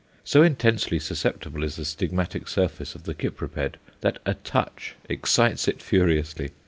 So intensely susceptible is the stigmatic surface of the Cypriped that a touch excites it furiously.